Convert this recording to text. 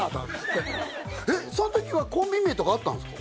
その時はコンビ名とかあったんですか？